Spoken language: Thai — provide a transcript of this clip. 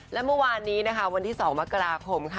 และเมื่อวานนี้นะคะวันที่๒มกราคมค่ะ